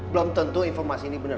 belom tentu informasi ini bener